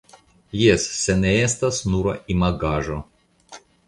Jes, se ne estas nura imagaĵo.